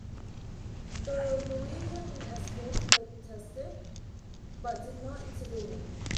The Norwegian escorts protested, but did not intervene.